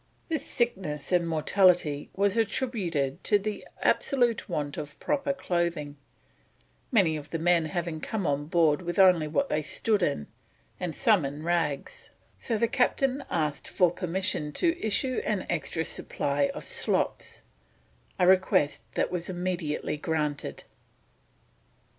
This sickness and mortality was attributed to the absolute want of proper clothing, many of the men having come on board with only what they stood in and some in rags, so the Captain asked for permission to issue an extra supply of slops, a request that was immediately granted.